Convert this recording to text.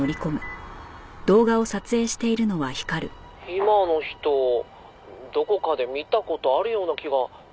「今の人どこかで見た事あるような気が」